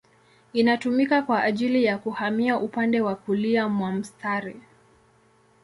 Inatumika kwa ajili ya kuhamia upande wa kulia mwa mstari.